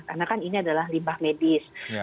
karena kan ini adalah limbah medis